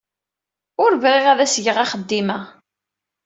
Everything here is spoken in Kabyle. Ur bɣiɣ ad as-geɣ axeddim-a.